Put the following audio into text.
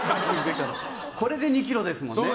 これで２ｋｇですもんね。